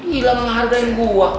gila menghargain gue